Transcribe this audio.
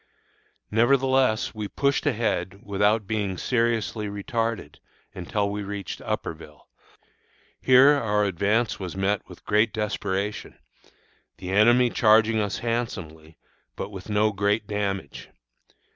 Nevertheless, we pushed ahead without being seriously retarded until we reached Upperville. Here our advance was met with great desperation, the enemy charging us handsomely, but with no great damage.